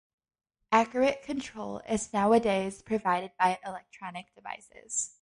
Accurate control is nowadays provided by electronic devices.